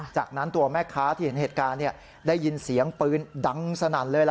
จากนั้นตัวแม่ค้าที่เห็นเหตุการณ์ได้ยินเสียงปืนดังสนั่นเลย